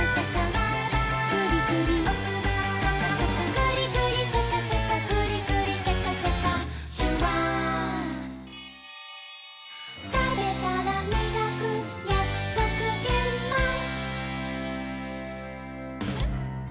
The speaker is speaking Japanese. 「グリグリシャカシャカグリグリシャカシャカ」「シュワー」「たべたらみがくやくそくげんまん」